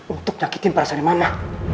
untuk nyakitin para sanimana